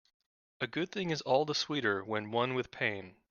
A good thing is all the sweeter when won with pain.